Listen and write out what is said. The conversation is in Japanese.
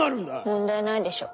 問題ないでしょ。